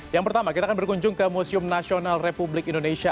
yang pertama kita akan berkunjung ke museum nasional republik indonesia